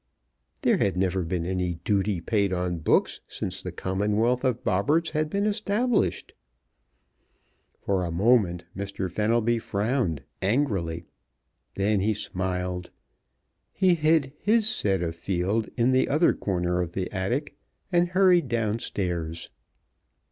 There had never been any duty paid on books since the Commonwealth of Bobberts had been established. For a moment Mr. Fenelby frowned angrily; then he smiled. He hid his set of Field in the other corner of the attic, and hurried down stairs.